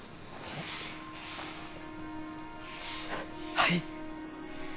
はい。